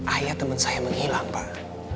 ayah teman saya menghilang pak